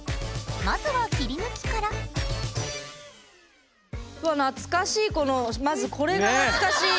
まずは切り抜きからうわ懐かしいこのまずこれが懐かしい。